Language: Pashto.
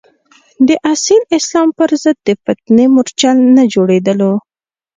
د اصیل اسلام پر ضد د فتنې مورچل نه جوړېدلو.